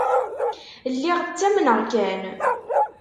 Lliɣ ttamneɣ kan.